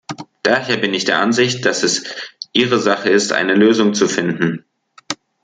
Daher bin ich der Ansicht, dass es ihre Sache ist, eine Lösung zu finden.